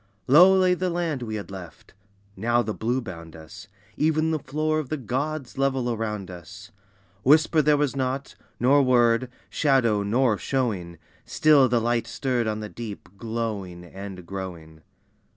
Low lay the land we had left. Now the blue bound us, Even the Floor of the Gods level around us. Whisper there was not, nor word, shadow nor showing, Still the light stirred on the deep, glowing and growing.